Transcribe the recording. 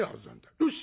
よし！